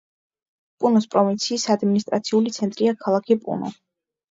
პუნოს პროვინციის ადმინისტრაციული ცენტრია ქალაქი პუნო.